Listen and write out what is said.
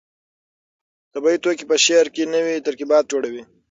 طبیعي توکي په شعر کې نوي ترکیبات جوړوي.